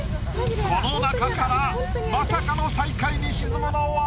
この中からまさかの最下位に沈むのは。